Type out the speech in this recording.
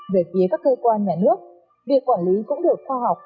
về phía các cơ quan nhà nước việc quản lý cũng được khoa học